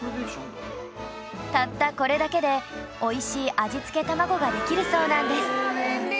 たったこれだけでおいしい味付けたまごができるそうなんです